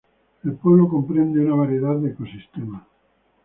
El pueblo comprende una variedad de ecosistemas.